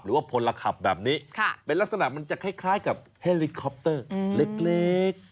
พลขับแบบนี้เป็นลักษณะมันจะคล้ายกับเฮลิคอปเตอร์เล็ก